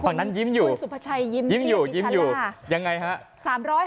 ฝั่งนั้นยิ้มอยู่ยิ้มอยู่ยิ้มอยู่ยังไงฮะ